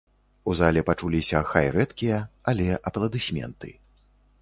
У зале пачуліся хай рэдкія, але апладысменты.